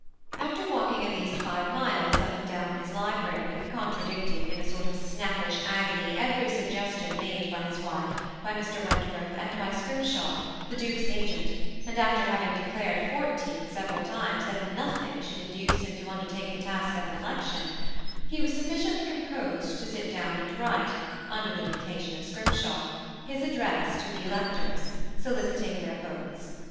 After walking at least five miles up and down 264 TBE SBKI ATZACHED OODHJB. his library, oootradicting in a sort of snappi^ agony everj suggestion made by his wife, by Mr. WentwcN tli, and by Scrimshaw^ the dake's agent, and after havii^ declared fourteen several times that nothing should induce him to undertake the task of an election, he was sufficiently composed to sit down and write, under the dictation of Scrimshaw, his address to the electors, solicitii^ theii votes.